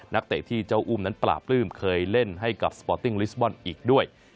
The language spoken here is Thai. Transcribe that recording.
เตะที่เจ้าอุ้มนั้นปลาปลื้มเคยเล่นให้กับสปอร์ตติ้งลิสบอลอีกด้วย